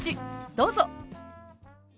どうぞ。